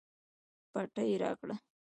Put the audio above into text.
پټۍ راکړه